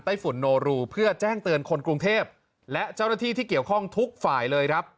ฝุ่นโนรูเพื่อแจ้งเตือนคนกรุงเทพและเจ้าหน้าที่ที่เกี่ยวข้องทุกฝ่ายเลยครับ